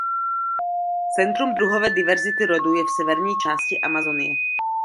Centrum druhové diverzity rodu je v severní části Amazonie.